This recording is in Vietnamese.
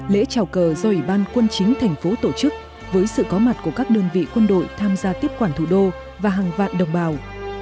lễ trào cờ do ủy ban quân chính thành phố tổ chức với sự có mặt của các đơn vị quân đội tham gia tiếp quản thủ đô và hàng vạn đồng bào